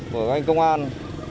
của các anh công an